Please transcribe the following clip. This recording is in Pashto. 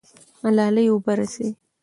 ملالۍ اوبه رسوي.